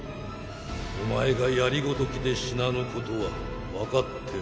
お前が槍ごときで死なぬことはわかっておる。